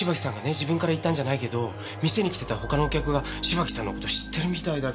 自分から言ったんじゃないけど店に来てた他のお客が芝木さんの事知ってるみたいだったの。